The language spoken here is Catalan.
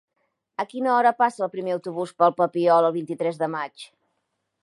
A quina hora passa el primer autobús per el Papiol el vint-i-tres de maig?